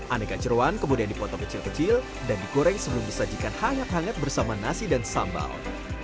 aneka jeruan kemudian dipotong kecil kecil dan digoreng sebelum disajikan hangat hangat bersama nasi dan sambal